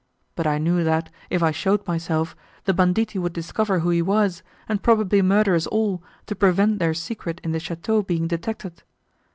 but I knew, that, if I showed myself, the banditti would discover who he was, and probably murder us all, to prevent their secret in the château being detected.